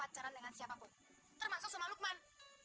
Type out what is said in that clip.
tadi dikasih sama lukman